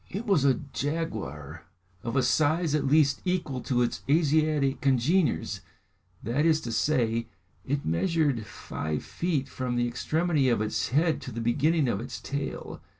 It was a jaguar of a size at least equal to its Asiatic congeners, that is to say, it measured five feet from the extremity of its head to the beginning of its tail.